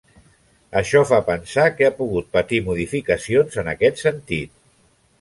Això fa pensar que ha pogut patir modificacions en aquest sentit.